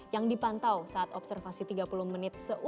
yang dipantau saat observasi tiga puluh menit